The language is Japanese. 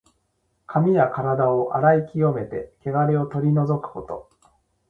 髪やからだを洗い清めて、けがれを取り除くこと。